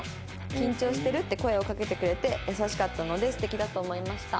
「“緊張してる？”って声をかけてくれて優しかったので素敵だと思いました」